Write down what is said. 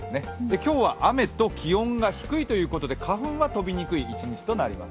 今日は雨と気温が低いということで、花粉は飛びにくい一日となります。